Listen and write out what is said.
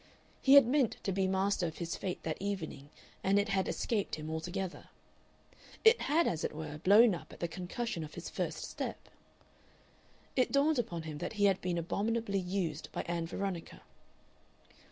He had meant to be master of his fate that evening and it had escaped him altogether. It had, as it were, blown up at the concussion of his first step. It dawned upon him that he had been abominably used by Ann Veronica.